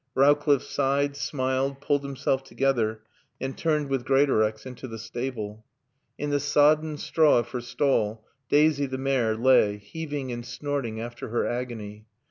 Rowcliffe sighed, smiled, pulled himself together and turned with Greatorex into the stable. In the sodden straw of her stall, Daisy, the mare, lay, heaving and snorting after her agony.